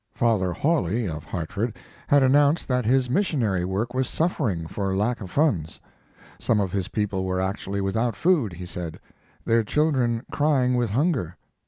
Father Hawley, of Hartford, had announced that his missionary work was suffering for lack of funds. Some of his people were actually without food, he said, their children crying with hunger.